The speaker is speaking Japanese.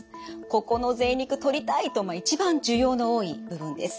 「ここのぜい肉とりたい」と一番需要の多い部分です。